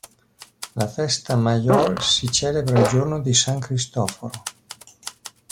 La festa major si celebra il giorno di San Cristoforo.